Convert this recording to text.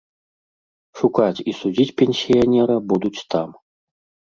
Шукаць і судзіць пенсіянера будуць там.